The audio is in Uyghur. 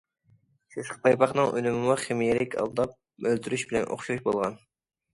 سېسىق پايپاقنىڭ ئۈنۈمىمۇ خىمىيەلىك ئالداپ ئۆلتۈرۈش بىلەن ئوخشاش بولغان.